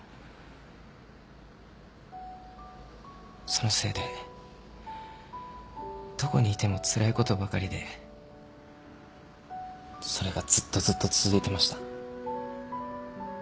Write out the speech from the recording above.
そのせいでどこにいてもつらいことばかりでそれがずっとずっと続いてました。